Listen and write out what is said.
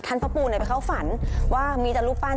ท่านพ่อปูเนี่ยเขาฝันว่ามีแต่ลูกบ้าน